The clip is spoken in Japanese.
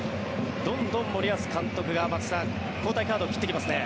どんどん森保監督が、松木さん交代カードを切ってきますね。